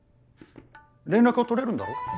連絡は取れるんだろ？